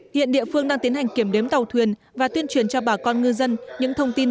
hiện địa phương đang tiến hành kiểm đếm tàu thuyền và tuyên truyền cho bà con ngư dân những thông tin